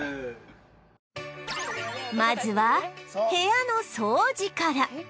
まずは部屋の掃除から